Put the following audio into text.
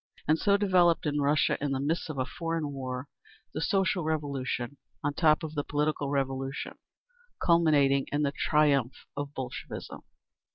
And so developed in Russia, in the midst of a foreign war, the Social Revolution on top of the Political Revolution, culminating in the triumph of Bolshevism.